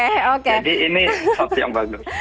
jadi ini suatu yang bagus